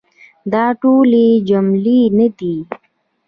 دا ټولي جملې نه دي .